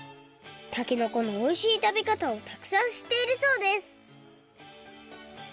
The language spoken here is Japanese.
たけのこのおいしいたべかたをたくさんしっているそうです